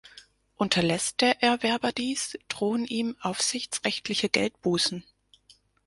Unterlässt der Erwerber dies, drohen ihm aufsichtsrechtliche Geldbußen.